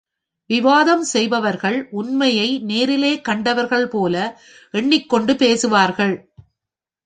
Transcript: விவாதம் செய்பவர்கள் உண்மையை நேரிலே கண்டவர்கள்போல எண்ணிக்கொண்டு பேசுவார்கள்.